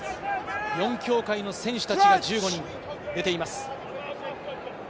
４協会の選手たちが１５人出ています。